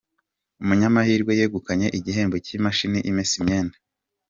Umunyamahirwe yegukanye igihembo cy’imashini imesa imyenda